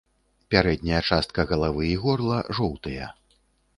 Пярэдняя частка галавы і горла жоўтыя.